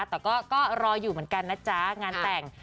แต่ก็รออยู่เหมือนกันนะจ๊ะงานแต่ง